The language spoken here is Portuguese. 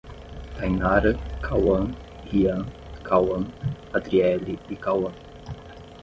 Tainara, Cauã, Rian, Kauan, Adriele e Kauã